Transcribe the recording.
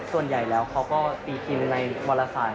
ส่วนใหญ่แล้วเขาก็ตีตินในบริษัท